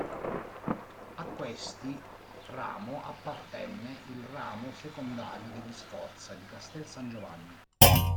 A questi ramo appartenne il ramo secondario degli Sforza di Castel San Giovanni.